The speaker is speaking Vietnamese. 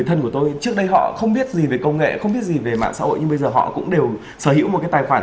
anh sẽ phải suy nghĩ lại